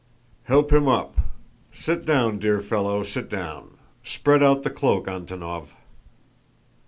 "Help him up. Sit down, dear fellow, sit down! Spread out the cloak, Antónov."